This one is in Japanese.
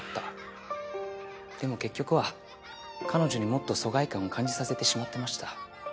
でも結局は彼女にもっと疎外感を感じさせてしまってました。